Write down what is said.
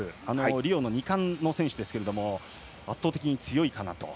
リオの２冠の選手ですが圧倒的に強いかなと。